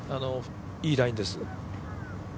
いいラインです。